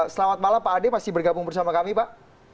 selamat malam pak ade masih bergabung bersama kami pak